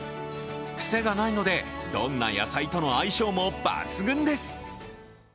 クセがないので、どんな野菜との相性も抜群です。